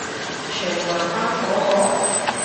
全男班嗰個？